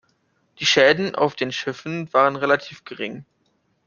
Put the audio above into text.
Die Schäden auf den Schiffen waren relativ gering.